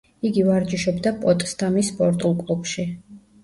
იგი ვარჯიშობდა პოტსდამის სპორტულ კლუბში.